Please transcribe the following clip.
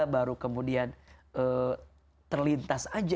baru kemudian terlintas aja